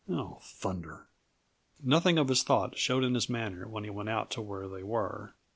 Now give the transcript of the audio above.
Oh, thunder!" Nothing of his thoughts showed in his manner when he went out to where they were.